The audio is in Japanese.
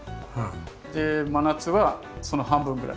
で真夏はその半分ぐらい。